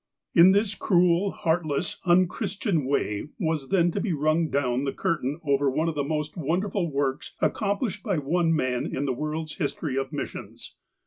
In this cruel, heartless, unchristian way was then to be rung down the curtain over one of the most wonderful works accomplished by one man in the world's history of missions.